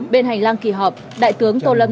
bên hành lang kỳ họp đại tướng tô lâm